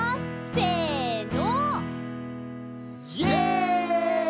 せの！